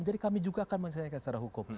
jadi kami juga akan menyelesaikan secara hukum